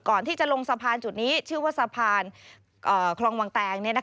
ก่อนที่จะลงสะพานจุดนี้ชื่อว่าสะพานคลองวังแตง